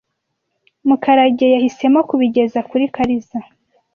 Mukarage yahisemo kubigeza kuri Kariza .